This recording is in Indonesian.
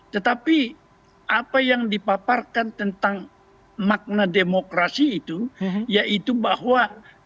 tetapi apa yang dipaparkan tentang makna demokrasi itu yaitu bahwa